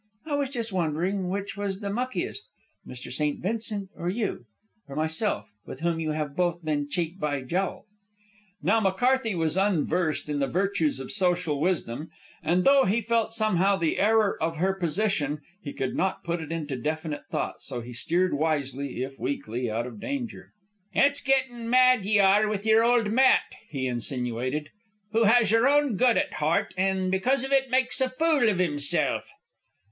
"I was just wondering which was the muckiest, Mr. St. Vincent or you or myself, with whom you have both been cheek by jowl." Now, McCarthy was unversed in the virtues of social wisdom, and, though he felt somehow the error of her position, he could not put it into definite thought; so he steered wisely, if weakly, out of danger. "It's gettin' mad ye are with yer old Matt," he insinuated, "who has yer own good at heart, an' because iv it makes a fool iv himself."